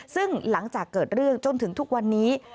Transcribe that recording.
ซึ่งหลังจากเกิดเรื่องจนถึงทุกวันนี้